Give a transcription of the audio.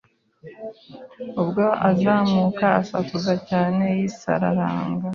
Ubwo azamuka asakuza cyane yisararanga